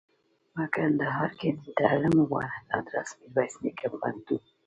په کندهار کښي دتعلم غوره ادرس میرویس نیکه پوهنتون